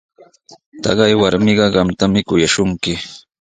Taqay warmiqa qamtami kuyashunki.